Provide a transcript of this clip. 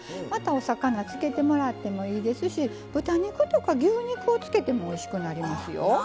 またお魚漬けてもらってもいいですし豚肉とか牛肉を漬けてもおいしくなりますよ。